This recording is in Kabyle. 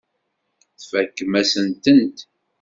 Tfakem-asent-tent.